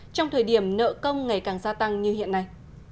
trong thời điểm nợ công ngày càng gia tăng như hiện nay